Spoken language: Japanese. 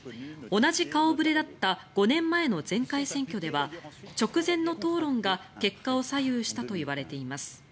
同じ顔触れだった５年前の前回選挙では直前の討論が結果を左右したといわれています。